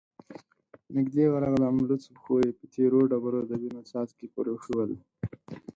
نږدې ورغلم، لوڅو پښو يې په تېرو ډبرو د وينو څاڅکې پرېښي ول،